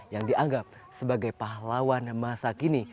yang dianggap sebagai pahlawan masa kini